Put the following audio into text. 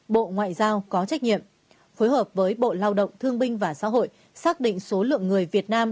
bộ ngoại giao có trách nhiệm phối hợp với bộ lao động thương binh và xã hội xác định số lượng người việt nam